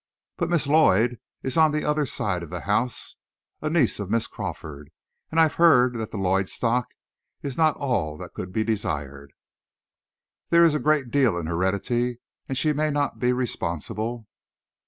But Miss Lloyd is on the other side of the house, a niece of Mrs. Crawford; and I've heard that the Lloyd stock is not all that could be desired. There is a great deal in heredity, and she may not be responsible..."